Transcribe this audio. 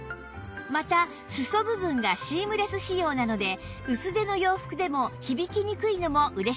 また裾部分がシームレス仕様なので薄手の洋服でも響きにくいのも嬉しい特徴です